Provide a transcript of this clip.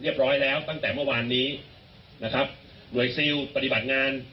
ร้อยแล้วตั้งแต่เมื่อวานนี้นะครับหน่วยซิลปฏิบัติงาน